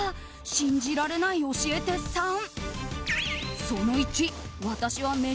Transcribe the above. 信じられない、教えてさん。